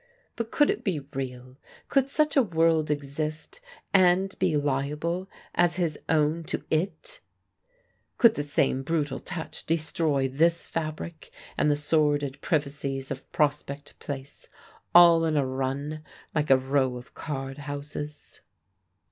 But could it be real? Could such a world exist and be liable as his own to It? Could the same brutal touch destroy this fabric and the sordid privacies of Prospect Place all in a run like a row of card houses?